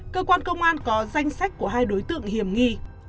cơ quan công an có danh sách của hai đối tượng hiểm nghi